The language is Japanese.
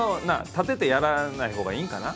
立ててやらないほうがいいんかな。